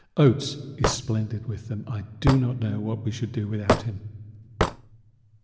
Oates is splendid with them I do not know what we should do without him.